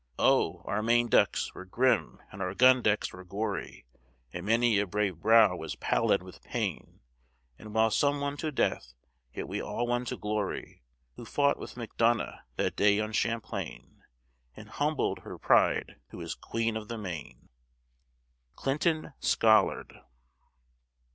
Oh, our main decks were grim and our gun decks were gory, And many a brave brow was pallid with pain; And while some won to death, yet we all won to glory Who fought with Macdonough that day on Champlain, And humbled her pride who is queen of the main! CLINTON SCOLLARD.